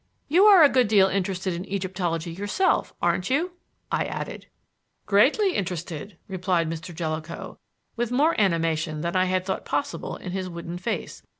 "You are a good deal interested in Egyptology yourself, aren't you?" I added. "Greatly interested," replied Mr. Jellicoe, with more animation than I had thought possible in his wooden face.